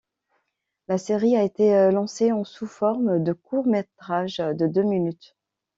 La série a été lancée en sous forme de court métrage de deux minutes.